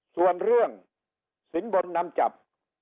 ส่วนเรื่องสินบนนำจับ